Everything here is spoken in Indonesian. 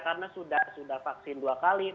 karena sudah vaksin dua kali